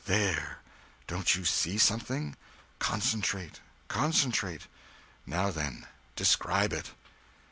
There don't you see something? Concentrate concentrate. Now then describe it."